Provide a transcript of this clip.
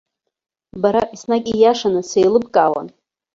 Бара еснагь ииашаны сеилыбкаауан.